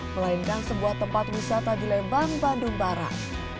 melainkan sebuah tempat wisata di lembang bandung barat